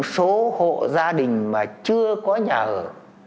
số hộ gia đình mà chưa có nhà ở